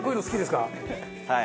はい。